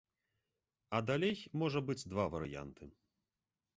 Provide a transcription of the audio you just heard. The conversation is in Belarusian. А далей можа быць два варыянты.